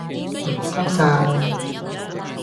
唔該晒